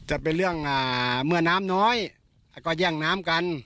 จะเป็นเรื่องเมื่อน้ำน้อยก็แย่งน้ำกัน